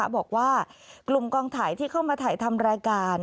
บอกว่ากลุ่มกองถ่ายที่เข้ามาถ่ายทำรายการ